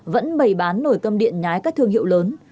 vẫn bày bán nổi câm điện nhái các thương hiệu lớn